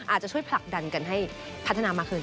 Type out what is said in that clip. อาจจะช่วยผลักดันกันให้พัฒนามากขึ้น